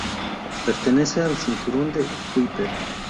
Pertenece al cinturón de Kuiper.